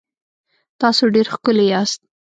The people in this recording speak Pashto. تاسو ډېر ښکلي یاست